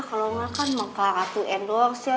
kalau enggak kan emang kak ratu endorse ya